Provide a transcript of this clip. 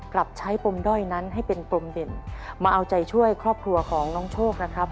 กลับใช้ปมด้อยนั้นให้เป็นปมเด่นมาเอาใจช่วยครอบครัวของน้องโชคนะครับ